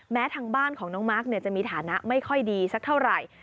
ทางบ้านของน้องมาร์คจะมีฐานะไม่ค่อยดีสักเท่าไหร่